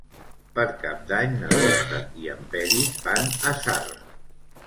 Per Cap d'Any na Dolça i en Peris van a Zarra.